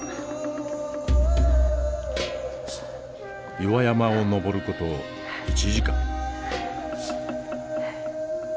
岩山を登る事１時間。